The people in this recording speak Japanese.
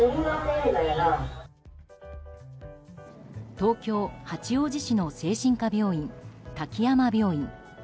東京・八王子市の精神科病院、滝山病院。